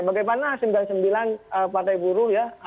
bagaimana sembilan puluh sembilan partai buruh ya